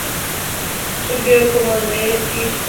Surgieron como "The Drifters", banda de apoyo de Cliff Richard.